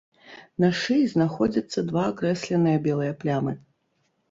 На шыі знаходзяцца два акрэсленыя белыя плямы.